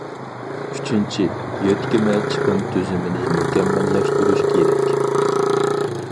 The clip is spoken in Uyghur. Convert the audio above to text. ئۈچىنچى، يۆتكىمە چىقىم تۈزۈمىنى مۇكەممەللەشتۈرۈش كېرەك.